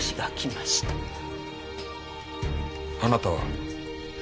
あなたは？